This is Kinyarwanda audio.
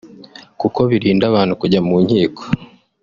kuko birinda abantu kujya mu nkiko